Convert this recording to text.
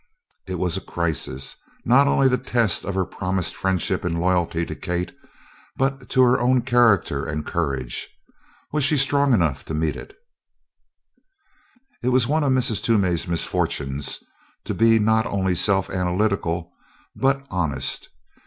It was a crisis not only the test of her promised friendship and loyalty to Kate but to her own character and courage. Was she strong enough to meet it? It was one of Mrs. Toomey's misfortunes to be not only self analytical, but honest.